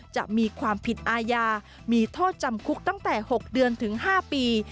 จะมีความผิดอาญามีโทษจำคุกตั้งแต่๖เดือนถึง๕ปี